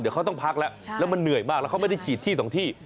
เดี๋ยวเขาต้องพักแล้วแล้วมันเหนื่อยมากแล้วเขาไม่ได้ฉีดที่สองที่